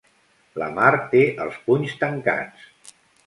La Mar té els punys tancats.